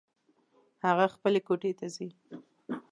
هغه خپلې کوټې ته ځي